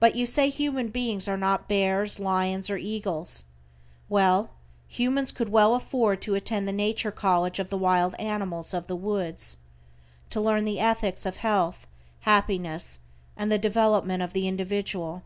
But you say human beings are not bears, lions, or eagles. Well, humans could well afford to attend the Nature College of the wild animals of the woods, to learn the ethics of health, happiness and the development of the individual.